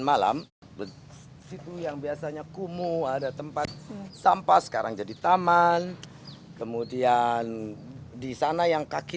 malam itu yang biasanya kumuh ada tempat sampah sekarang jadi taman kemudian di sana yang kaki